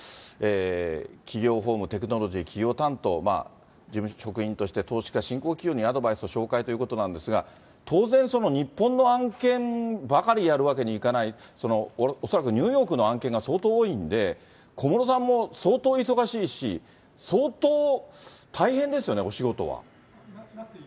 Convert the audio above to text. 企業法務、テクノロジー、企業担当、事務所職員として投資家・新興企業にアドバイスということなんですが、当然日本の案件ばかりやるわけにいかない、恐らくニューヨークの案件が相当多いんで、小室さんも相当忙しいし、そうですね。